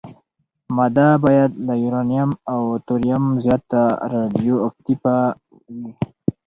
ماده باید له یورانیم او توریم زیاته راډیواکټیفه وي.